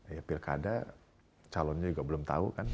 ya pilkada calonnya juga belum tahu kan